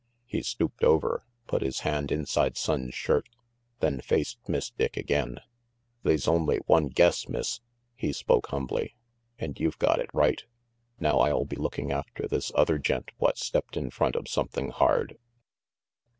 He stooped over, put his hand inside Sonnes' shirt, then faced Miss Dick again. "They's only one guess, Miss," he spoke humbly, "and you've got it right. Now I'll be looking after this other gent what stepped in front of something hard.